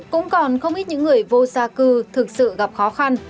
cũng còn không ít những người vô gia cư thực sự gặp khó khăn